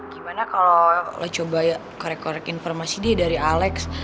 gimana kalau lo coba korek korek informasi deh dari alex